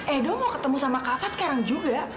edo mau ketemu sama kak fah sekarang juga